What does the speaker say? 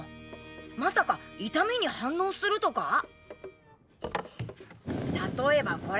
まさか痛みに反応するとか⁉例えばこれ。